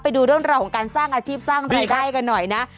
ไปดูเรื่องราวของการสร้างอาชีพสร้างรายได้กันหน่อยนะ